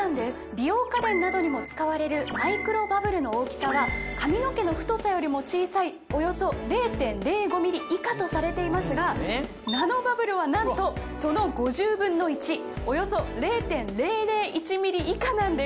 美容家電などにも使われるマイクロバブルの大きさは髪の毛の太さよりも小さいおよそ０．０５ｍｍ以下とされていますがナノバブルはなんとその５０分の１およそ０．００１ｍｍ以下なんです。